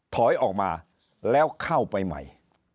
ถอยออกมาแล้วเข้าไปใหม่